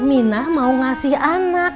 minah mau ngasi anak